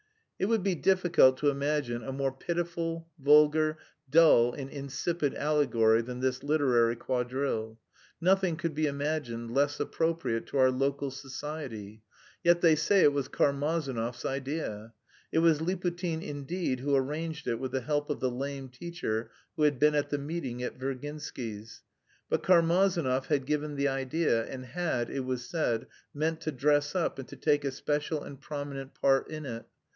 It would be difficult to imagine a more pitiful, vulgar, dull and insipid allegory than this "literary quadrille." Nothing could be imagined less appropriate to our local society. Yet they say it was Karmazinov's idea. It was Liputin indeed who arranged it with the help of the lame teacher who had been at the meeting at Virginsky's. But Karmazinov had given the idea and had, it was said, meant to dress up and to take a special and prominent part in it.